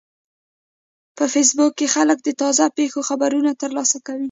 په فېسبوک کې خلک د تازه پیښو خبرونه ترلاسه کوي